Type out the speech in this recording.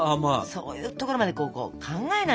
そういうところまでこう考えないと。